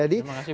terima kasih bu